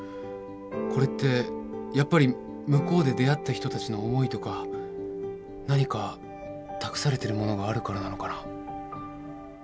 これってやっぱり向こうで出会った人たちの思いとか何か託されてるものがあるからなのかな。